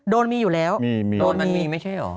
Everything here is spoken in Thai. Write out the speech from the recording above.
โดนมีอยู่แล้วโดนมันมีไม่ใช่เหรอ